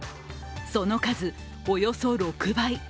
その数およそ６倍。